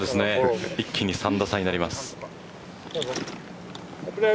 一気に３打差になります。